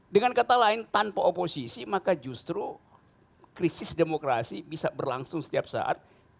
dengan kata lain tanpa oposisi maka justru krisis demokrasi bisa berlangsung setiap saat